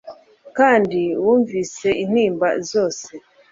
kandi wunvise intimba zose